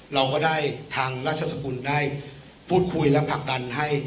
เราก็ได้ทางราชสกุลได้พูดคุยและผลักดันให้